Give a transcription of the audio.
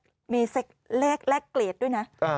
บอกว่ามีส่งข้อความมามีแรกเกรดด้วยนะ